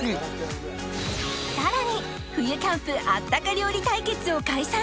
さらに冬キャンプあったか料理対決を開催